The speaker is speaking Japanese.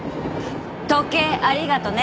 時計ありがとね。